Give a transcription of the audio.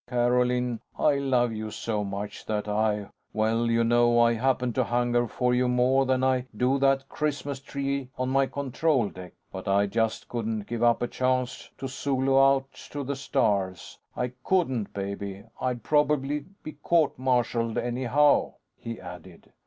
"Carolyn, I love you so much that I ... well, you know I happen to hunger for you more than I do that Christmas tree on my control deck. But I just couldn't give up a chance to solo out to the stars. I couldn't, baby. I'd probably be court martialed, anyhow," he added.